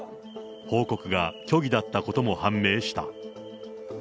報告が虚偽だったことも判明した。